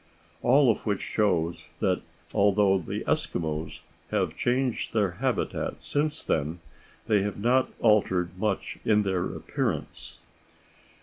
All of which shows that although the Eskimos have changed their habitat since then, they have not altered much in their appearance.